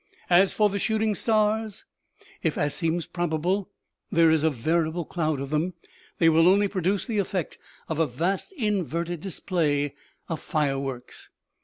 As for the shooting stars, if, as seems probable, there is a veritable cloud of them, they will only produce the effect of a vast inverted display of fire works.